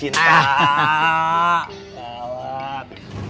apa kabar bro pejuangan cinta